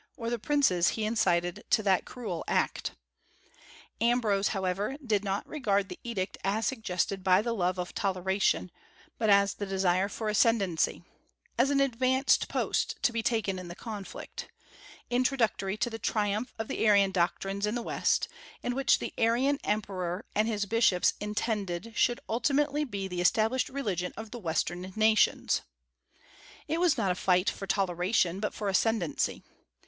or the princes he incited to that cruel act. Ambrose, however, did not regard the edict as suggested by the love of toleration, but as the desire for ascendency, as an advanced post to be taken in the conflict, introductory to the triumph of the Arian doctrines in the West, and which the Arian emperor and his bishops intended should ultimately be the established religion of the Western nations. It was not a fight for toleration, but for ascendency.